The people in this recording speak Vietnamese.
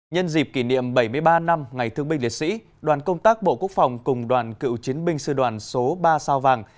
nhân dịp kỷ niệm bảy mươi ba năm ngày thương binh liệt sĩ đoàn công tác bộ quốc phòng cùng đoàn cựu chiến binh sư đoàn số ba sao vàng